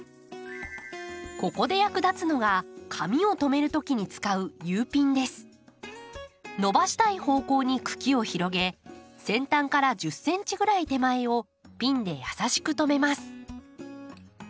ここで役立つのが髪を留めるときに使う伸ばしたい方向に茎を広げ先端から１０ｃｍぐらい手前をピンで優しく留めます。